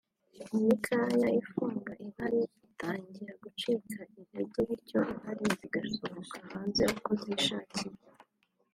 imikaya ifunga inkari itangira gucika intege birtyo inkari zigasohoka hanze uko zishakiye